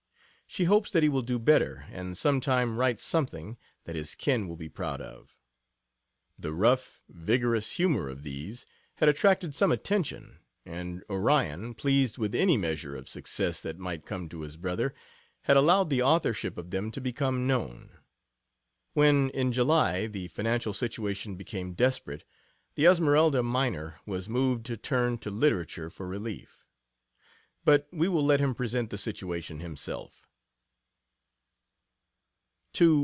She hopes that he will do better, and some time write something "that his kin will be proud of."] The rough, vigorous humor of these had attracted some attention, and Orion, pleased with any measure of success that might come to his brother, had allowed the authorship of them to become known. When, in July, the financial situation became desperate, the Esmeralda miner was moved to turn to literature for relief. But we will let him present the situation himself.